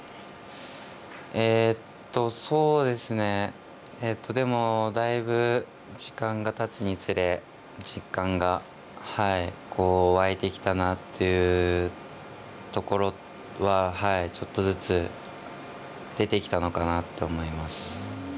そうですね、でもだいぶ、時間がたつにつれ、実感が湧いてきたなっていうところは、ちょっとずつ出てきたのかなって思います。